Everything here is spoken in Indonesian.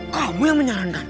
kamu yang menyarankan